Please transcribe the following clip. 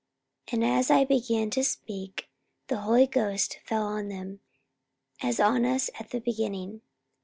44:011:015 And as I began to speak, the Holy Ghost fell on them, as on us at the beginning.